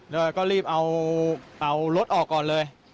แล้วก็รีบเอารถออกก่อนเลย